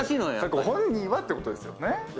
ご本人はってことですよね。